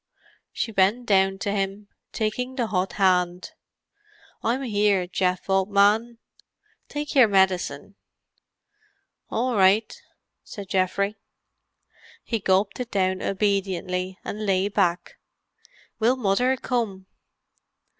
She bent down to him, taking the hot hand. "I'm here, Geoff, old man. Take your medicine." "All right," said Geoffrey. He gulped it down obediently and lay back. "Will Mother come?"